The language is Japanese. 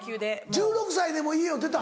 １６歳でもう家を出た？